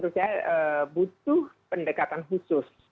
menurut saya butuh pendekatan khusus